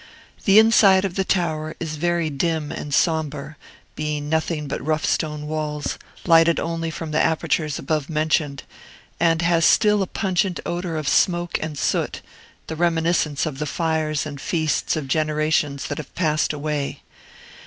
The inside of the tower is very dim and sombre (being nothing but rough stone walls, lighted only from the apertures above mentioned), and has still a pungent odor of smoke and soot, the reminiscence of the fires and feasts of generations that have passed away.